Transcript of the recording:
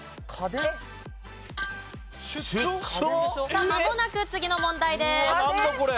さあまもなく次の問題です。